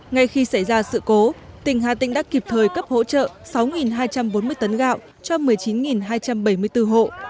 ngay khi xảy ra sự cố tỉnh hà tĩnh đã kịp thời cấp hỗ trợ sáu hai trăm bốn mươi tấn gạo cho một mươi chín hai trăm bảy mươi bốn hộ